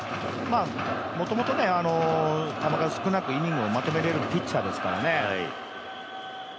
もともと球数少なくイニングをまとめれるピッチャーですからね。